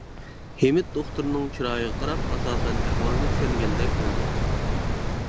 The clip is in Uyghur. ھىمىت دوختۇرنىڭ چىرايىغا قاراپ ئاساسەن ئەھۋالىنى چۈشەنگەندەك بولدى.